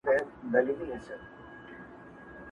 د خلکو په خولو کي کله کله يادېږي بې ځنډه